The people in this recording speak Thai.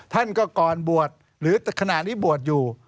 ท่านก็ก่อนบวชหรือขณะนี้บวชอยู่